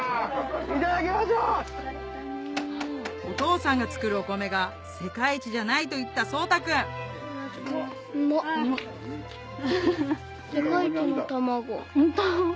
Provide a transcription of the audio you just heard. お父さんが作るお米が世界一じゃないと言った宗大君ホント？